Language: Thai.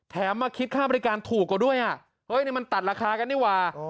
แถมมาคิดค่าบริการถูกกว่าด้วยอะเฮ้ยนี่มันตัดราคากันนี่หว่า